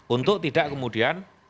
untuk tidak kemudian